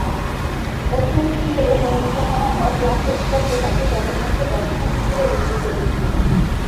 অধিনায়ক হিসেবে মনোনীত হবার পর ক্লাব কর্তৃপক্ষ তাকে কেবলমাত্র ব্যাটসম্যান হিসেবে দেখতে চেয়েছিলেন।